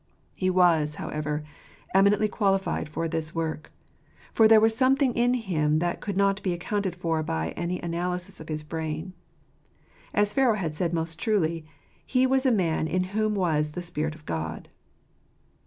He was, however, eminently qualified for this work ; for there was something in him that could not be accounted for by any analysis of his brain. As Pharaoh had said most truly, " He was a man in whom was the Spirit of God."